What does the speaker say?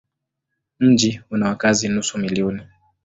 Mji una wakazi nusu milioni.